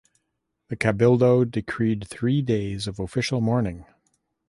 The cabildo decreed three days of official mourning.